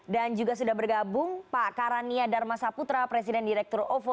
dan juga sudah bergabung pak karania darmasaputra presiden direktur ovo